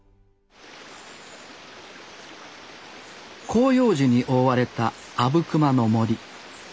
広葉樹に覆われた阿武隈の森。